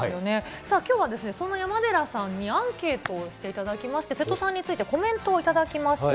さあ、きょうはですね、そんな山寺さんにアンケートをしていただきまして、瀬戸さんについて、コメントを頂きました。